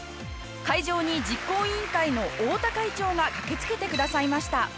会場に実行委員会の太田会長が駆けつけてくださいました